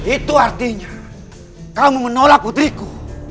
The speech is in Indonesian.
itu artinya kamu menolak putriku